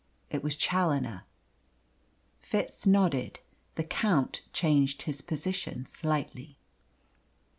It was Challoner." Fitz nodded. The Count changed his position slightly.